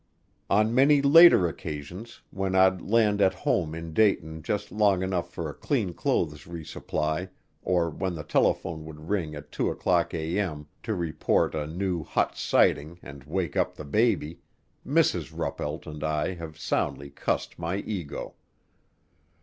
On many later occasions, when I'd land at home in Dayton just long enough for a clean clothes resupply, or when the telephone would ring at 2:00A.M. to report a new "hot" sighting and wake up the baby, Mrs. Ruppelt and I have soundly cussed my ego.